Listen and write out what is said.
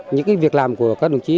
những cái việc làm của các đồng chí